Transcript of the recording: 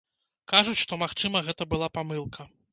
Кажуць, што, магчыма, гэта была памылка.